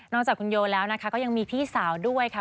จากคุณโยแล้วนะคะก็ยังมีพี่สาวด้วยค่ะ